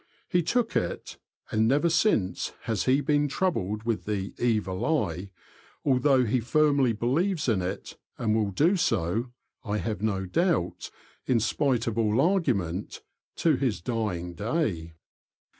He took it, and never since has he been troubled with the '' evil eye," although he firmly believes in it, and will do so, I have no doubt, in spite of all argument, to his dying day.